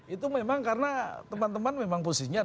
itu memang karena teman teman memang posisinya